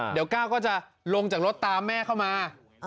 เดี๋ยวก้าวก็จะลงจากรถตามแม่เข้ามา